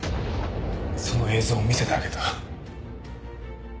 その映像を見せてあげた。